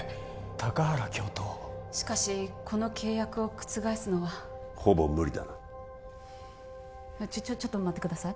高原教頭しかしこの契約を覆すのはほぼ無理だなちょちょちょっと待ってください